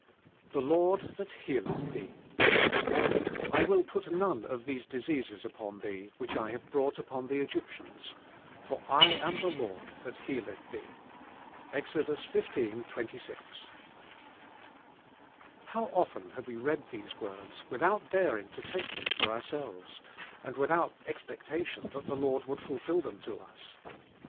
THE LORD THAT HEALETH THEE I will put noue of tfiese discuses upon tuee which 1 have brought upon tlie Egyptians, for I iuii itif Lord ttiat healeth thee (Ex. xv, 2o). HOW often have we read these words, without daring to take them for ourselves, and without expectation that the Lord would fulfil them to us!